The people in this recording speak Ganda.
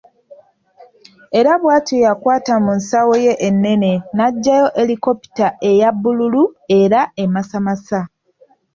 Era bw'atyo yakwata mu nsawo ye ennene n'aggyayo helikopita eya bbulu era emasamasa.